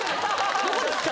どこですか？